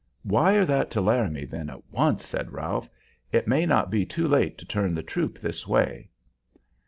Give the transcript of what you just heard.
"Wire that to Laramie, then, at once," said Ralph. "It may not be too late to turn the troop this way."